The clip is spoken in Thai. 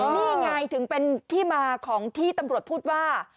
นี่ไงถึงเป็นที่มาของที่ตำรวจพูดว่า